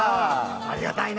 ありがたいな？